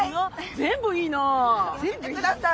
全部いい。